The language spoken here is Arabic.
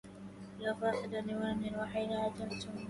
يا فاقدا لولد الوحيد عجبت من